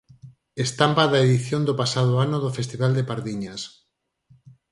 Estampa da edición do pasado ano do Festival de Pardiñas.